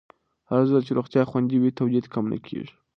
هرځل چې روغتیا خوندي وي، تولید کم نه کېږي.